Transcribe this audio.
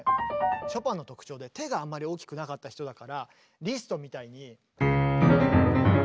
ショパンの特徴で手があんまり大きくなかった人だからリストみたいに。